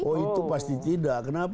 oh itu pasti tidak kenapa